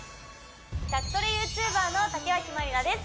宅トレＹｏｕＴｕｂｅｒの竹脇まりなです